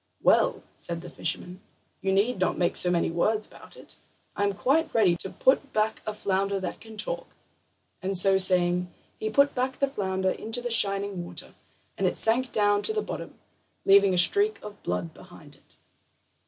"Well," said the fisherman, "you need not make so many words about it. I am quite ready to put back a flounder that can talk." And so saying, he put back the flounder into the shining water, and it sank down to the bottom, leaving a streak of blood behind it.